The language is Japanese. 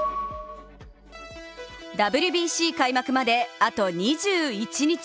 ＷＢＣ開幕まであと２１日。